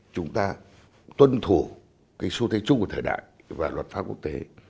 chúng ta tuân thủ cái xu thế chung của thời đại và luật pháp quốc tế